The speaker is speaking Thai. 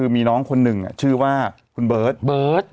มีน้องคนนึงชื่อว่าคุณเบิร์ด